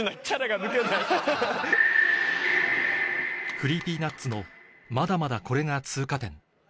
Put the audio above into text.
ＣｒｅｅｐｙＮｕｔｓ のまだまだこれが通過点 Ｗｏ！